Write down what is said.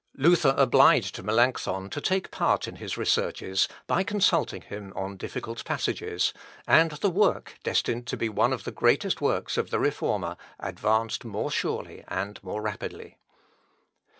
Luther obliged Melancthon to take part in his researches, by consulting him on difficult passages, and the work, destined to be one of the greatest works of the Reformer, advanced more surely and more rapidly.